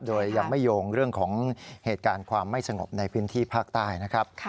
โดยยังไม่โยงเรื่องของเหตุการณ์ความไม่สงบในพื้นที่ภาคใต้นะครับ